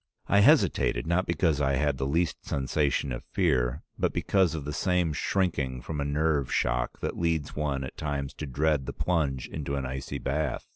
I hesitated, not because I had the least sensation of fear, but because of the same shrinking from a nerve shock that leads one at times to dread the plunge into an icy bath.